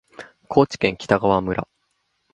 高知県北川村